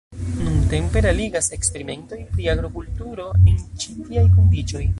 Nuntempe realigas eksperimentoj pri agrokulturo en ĉi tiaj kondiĉoj.